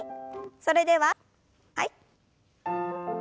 それでははい。